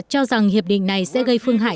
cho rằng hiệp định này sẽ gây phương hại